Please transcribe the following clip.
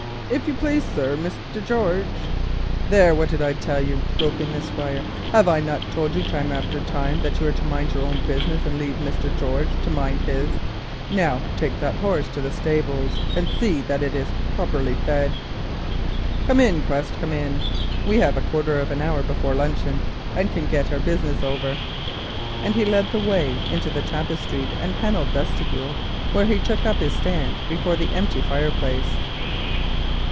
"If you please, sir, Mr. George——" "There, what did I tell you?" broke in the Squire. "Have I not told you time after time that you are to mind your own business, and leave 'Mr. George' to mind his? Now take that horse round to the stables, and see that it is properly fed. "Come, Quest, come in. We have a quarter of an hour before luncheon, and can get our business over," and he led the way through the passage into the tapestried and panelled vestibule, where he took his stand before the empty fireplace.